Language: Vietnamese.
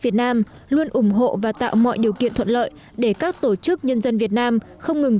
việt nam luôn ủng hộ và tạo mọi điều kiện thuận lợi để các tổ chức nhân dân việt nam không ngừng